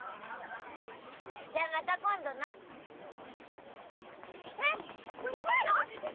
じゃあまた今度な・えっ行っちゃうの？